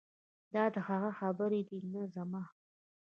دا د هغه خبرې دي نه زما.